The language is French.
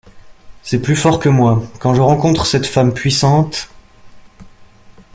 C’est plus fort que moi, quand je rencontre cette femme puissante…